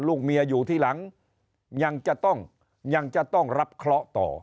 ลูกเมียอยู่ที่หลังยังจะต้องรับเคราะห์ต่อ